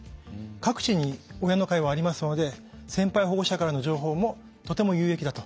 各地に親の会はありますので先輩保護者からの情報もとても有益だと思います。